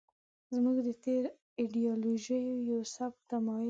زموږ د تېرو ایډیالوژیو یو سپک تمایل و.